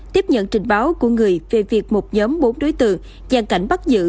tiếp nhận trình báo của người về việc một nhóm bốn đối tượng gian cảnh bắt giữ